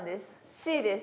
Ｃです。